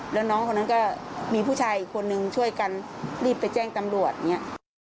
แล้วน้องคนนั้นก็มีผู้ชายอีกคนนึงช่วยกันรีบไปแจ้งตำรวจอย่างนี้